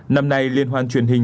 năm nay liên hoan truyền hình